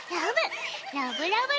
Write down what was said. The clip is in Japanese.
ラブ！